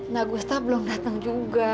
nanggusta belum datang juga